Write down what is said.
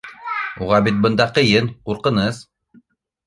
— Уға бит бында ҡыйын, ҡурҡыныс.